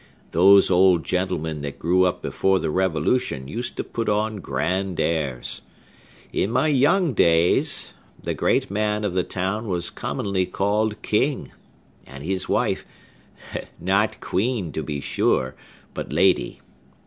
Those old gentlemen that grew up before the Revolution used to put on grand airs. In my young days, the great man of the town was commonly called King; and his wife, not Queen to be sure, but Lady.